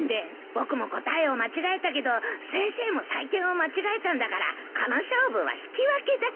僕も答えを間違えたけど先生も採点を間違えたんだからこの勝負は引き分けだよ。